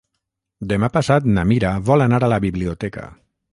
Demà passat na Mira vol anar a la biblioteca.